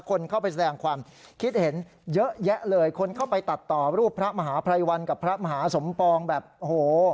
คนเข้าไปแสดงความคิดเห็นเยอะแยะเลยคนเข้าไปตัดต่อรูปพระมหาภัยวันกับพระมหาสมปองแบบโอ้โห